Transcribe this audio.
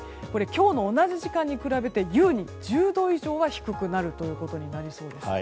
今日の同じ時間に比べて優に１０度以上は低くなることになりそうです。